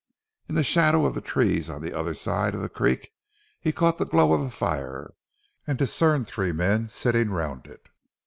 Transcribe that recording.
In the shadow of the trees on the other side of the creek he caught the glow of a fire and discerned three men sitting round it.